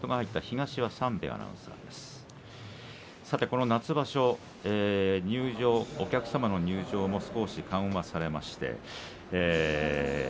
この夏場所入場、お客様の入場も少し緩和されました。